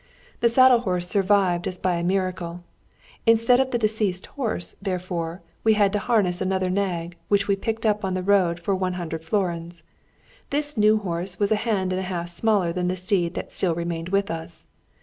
The saddle horse survived as by a miracle. Instead of the deceased horse, therefore, we had to harness another nag, which we picked up on the road for 100 florins. This new horse was a hand and a half smaller than the steed that still remained with us.